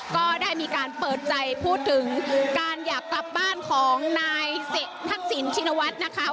ก็ได้มีการเปิดใจพูดถึงการอยากกลับบ้านของนายทักษิณชินวัฒน์นะคะ